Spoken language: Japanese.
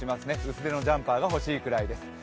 薄手のジャンパーが欲しいくらいです。